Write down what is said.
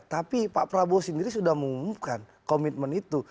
tapi pak prabowo sendiri sudah mengumumkan komitmen itu